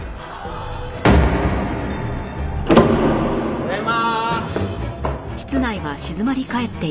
ただいま。